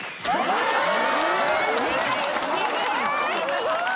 すごーい！